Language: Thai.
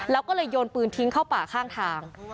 แล้วก็เลยโยนปืนทิ้งเข้าป่าข้างทาง